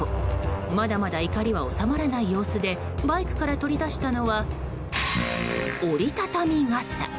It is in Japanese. まだまだ怒りは収まらない様子でバイクから取り出したのは折り畳み傘。